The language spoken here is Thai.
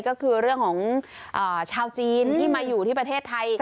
ก็คือเรื่องของชาวจีนที่มาอยู่ที่ประเทศไทย